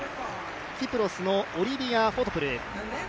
キプロスのオリビア・フォトプル。